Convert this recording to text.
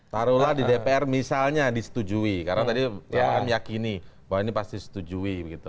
taruh lah di dpr misalnya disetujui karena tadi pak ram yakini bahwa ini pasti setujui gitu